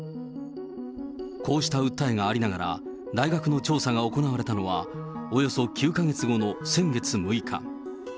こうした訴えがありながら、大学の調査が行われたのは、およそ９か月後の先月６日。